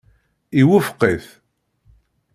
Iwufeq-it.